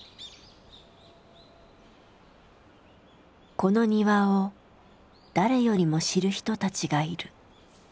この庭を誰よりも知る人たちがいる。